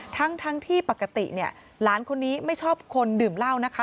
ทั้งที่ปกติเนี่ยหลานคนนี้ไม่ชอบคนดื่มเหล้านะคะ